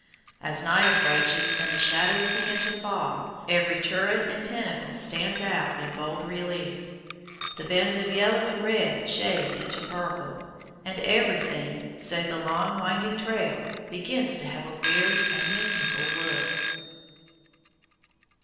As night approaches and the shadows begin to fall, every turret and pinnacle stands out in bold relief. The bands of yellow and red shade into purple, and everything, save the long winding trail, begins to have a weird and mystical look.